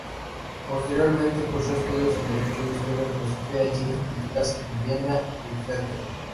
Posteriormente cursó estudios en derecho, historia, filosofía y ciencias políticas en Viena y Feldkirch.